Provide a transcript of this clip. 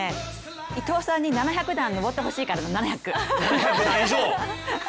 伊藤さんに７００段上ってほしいから、７００！